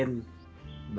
ngantriin dulu ya